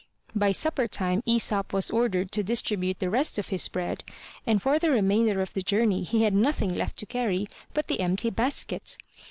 By supper time Aesop was ordered to distribute the rest of his bread and for the remainder of the journey he had nothing left to carry but the empty basket.